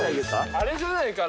あれじゃないかな？